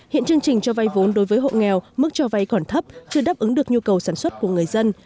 hiện chương trình cho vay vốn đối với hộ nghèo mức cho vay còn thấp chưa đáp ứng được nhu cầu sản xuất của người dân